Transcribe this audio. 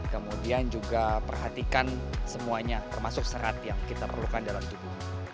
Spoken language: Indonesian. kemudian juga perhatikan semuanya termasuk serat yang kita perlukan dalam tubuh